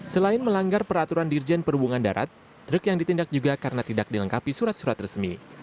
selain melanggar peraturan dirjen perhubungan darat truk yang ditindak juga karena tidak dilengkapi surat surat resmi